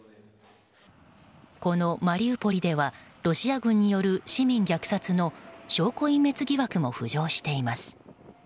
このマリウポリではロシア軍による市民虐殺の証拠隠滅疑惑も浮上しています。